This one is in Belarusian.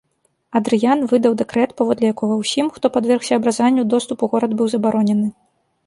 Адрыян выдаў дэкрэт, паводле якога ўсім, хто падвергся абразанню, доступ у горад быў забаронены.